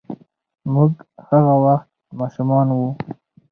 موږ هغه وخت ماشومان وو.